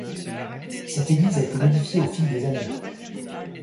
Cette église a été modifiée au fil des années.